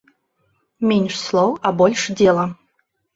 Менш слоў, а больш дзела.